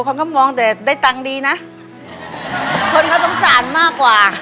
คนก็มองแต่ได้ตังค์ดีนะคนเขาสงสารมากกว่า